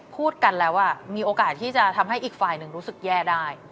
พูดกันแล้วมีโอกาสที่จะทำให้อีกฝ่ายหนึ่งรู้สึกแย่ได้